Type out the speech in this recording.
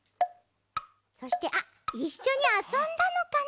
そしてあっいっしょにあそんだのかな？